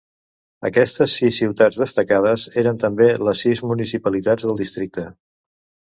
Aquestes sis ciutats destacades eren també les sis municipalitats del districte.